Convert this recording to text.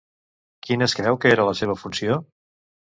Quina es creu que era la seva funció?